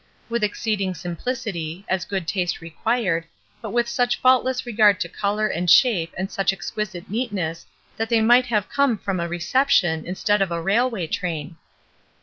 With exceeding simplicity, as good taste required, but with such faultless regard to color and shape and such exquisite neatness that they might have come from a reception, instead of a railway train.